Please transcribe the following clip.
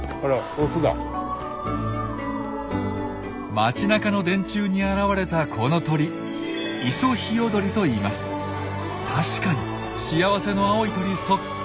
街なかの電柱に現れたこの鳥確かに幸せの青い鳥そっくり。